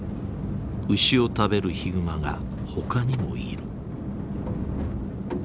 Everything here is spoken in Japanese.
牛を食べるヒグマがほかにもいる。